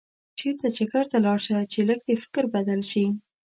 چېرته چکر ته لاړ شه چې لږ دې فکر بدل شي.